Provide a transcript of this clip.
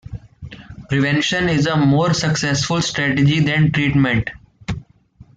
Prevention is a more successful strategy than treatment.